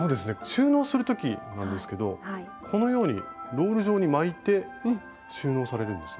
収納する時なんですけどこのようにロール状に巻いて収納されるんですね。